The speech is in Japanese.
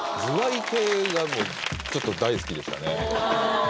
ズワイ系がちょっと大好きでしたね